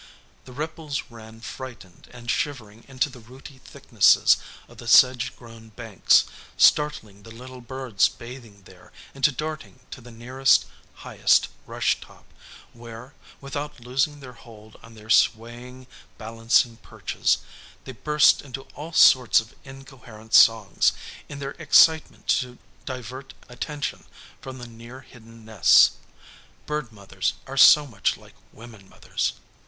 The ripples ran frightened and shivering into the rooty thicknesses of the sedge grown banks, startling the little birds bathing there into darting to the nearest, highest rush top, where, without losing their hold on their swaying, balancing perches, they burst into all sorts of incoherent songs, in their excitement to divert attention from the near hidden nests: bird mothers are so much like women mothers!